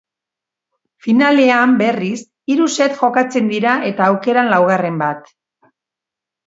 Finalean, berriz, hiru set jokatzen dira eta aukeran laugarren bat.